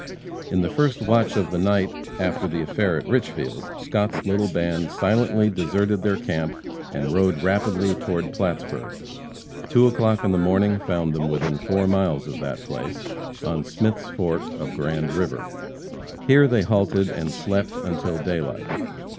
In the first watch of the second night after the affair at Richfield, Scott's little band silently deserted their camp and rode rapidly toward Plattsburg. Two o'clock in the morning found them within four miles of that place, on Smith's fork of Grand river. Here they halted and slept until daylight.